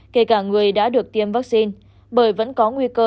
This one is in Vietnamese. kể cả người đã được tiêm vaccine bởi vẫn có nguy cơ